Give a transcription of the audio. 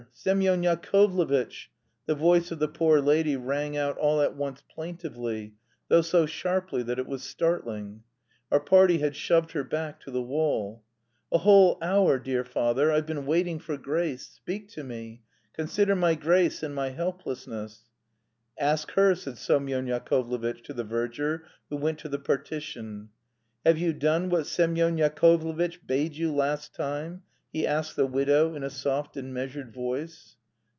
Semyon Yakovlevitch!" The voice of the poor lady rang out all at once plaintively, though so sharply that it was startling. Our party had shoved her back to the wall. "A whole hour, dear father, I've been waiting for grace. Speak to me. Consider my case in my helplessness." "Ask her," said Semyon Yakovlevitch to the verger, who went to the partition. "Have you done what Semyon Yakovlevitch bade you last time?" he asked the widow in a soft and measured voice.